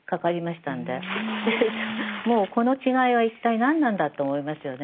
でもうこの違いは一体何なんだと思いますよね。